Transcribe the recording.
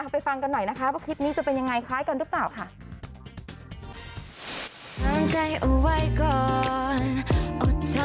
ฟังกันหน่อยนะคะว่าคลิปนี้จะเป็นยังไงคล้ายกันหรือเปล่าค่ะ